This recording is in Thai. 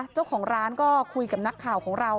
เจ้าของร้านก็คุยกับนักข่าวของเรา